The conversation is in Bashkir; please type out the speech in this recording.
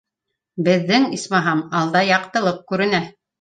Беҙҙең, исмаһам, алда яҡтылыҡ күренә